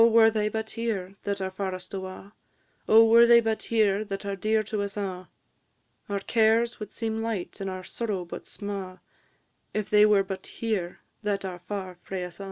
Oh, were they but here that are farest awa'! Oh, were they but here that are dear to us a'! Our cares would seem light and our sorrow but sma', If they were but here that are far frae us a'!